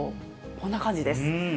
こんな感じです。